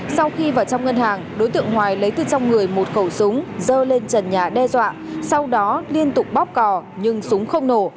sau khi vào trong ngân hàng đối tượng hoài lấy từ trong người một khẩu súng dơ lên trần nhà đe dọa sau đó liên tục bóp cò nhưng súng không nổ